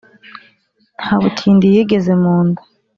Nta butindi yigeze mu nda.